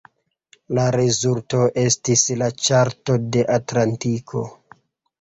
La rezulto estis la Ĉarto de Atlantiko.